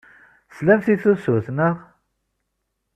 Teslamt i tusut, naɣ?